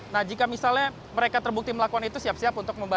nah jika misalnya mereka terbukti melakukan itu siap siap untuk membaca